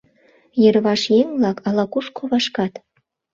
Йырваш еҥ-влак ала-кушко вашкат.